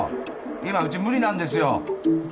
今無理なんですよ